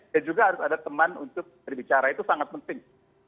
dan juga harus ada teman untuk berbicara itu sangat penting